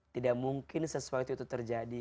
tidak mungkin sesuatu itu terjadi